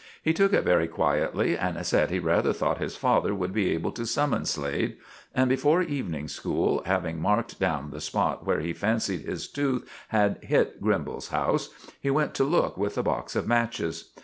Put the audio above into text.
He took it very quietly, and said he rather thought his father would be able to summon Slade; and before evening school, having marked down the spot where he fancied his tooth had hit Grimbal's house, he went to look with a box of matches.